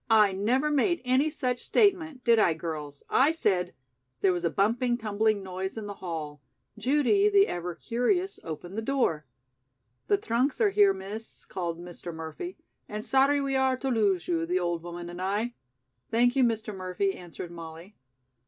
"I never made any such statement. Did I, girls? I said " There was a bumping, tumbling noise in the hall. Judy, the ever curious, opened the door. "The trunks are here, Miss," called Mr. Murphy, "and sorry we are to lose you, the old woman and I." "Thank you, Mr. Murphy," answered Molly.